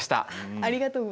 ありがとうございます。